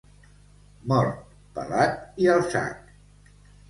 Mort, pelat i al sac.